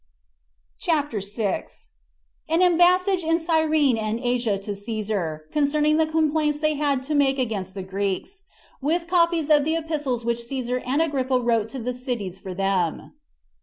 CHAPTER 6. An Embassage In Cyrene And Asia To Cæsar, Concerning The Complaints They Had To Make Against The Greeks; With Copies Of The Epistles Which Cæsar And Agrippa Wrote To The Cities For Them.